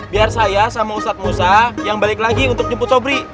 biar saya sama ustadz musa yang balik lagi untuk jemput tobri